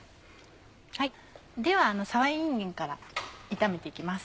ではさやいんげんから炒めて行きます。